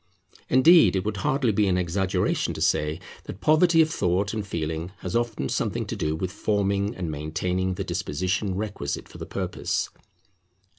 Indeed it would hardly be an exaggeration to say that poverty of thought and feeling has often something to do with forming and maintaining the disposition requisite for the purpose.